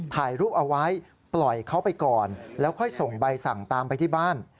ถ่ายรูปเอาไว้ปล่อยเขาไปก่อนแล้วค่อยส่งใบสั่งตามไปที่บ้าน